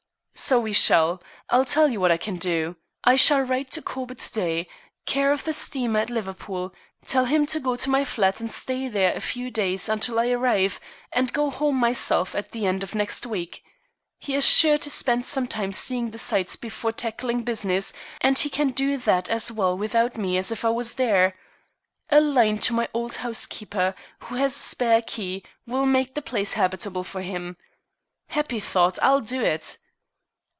"So we shall. I'll tell you what I can do. I shall write to Corbett to day, care of the steamer at Liverpool, tell him to go to my flat, and stay there a few days until I arrive, and go home myself at the end of next week. He is sure to spend some time seeing the sights before tackling business, and he can do that as well without me as if I were there. A line to my old housekeeper, who has a spare key, will make the place habitable for him. Happy thought, I'll do it."